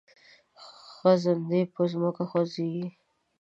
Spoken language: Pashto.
خزندې په ځمکه خوځیږي